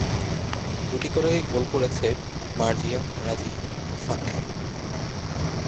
দুটি করে গোল করেছে মার্জিয়া, রাজিয়া ও সানজিদা।